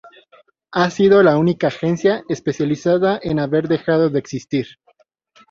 Ha sido la única agencia especializada en haber dejado de existir.